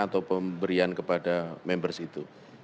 atau pemberian kepada members itu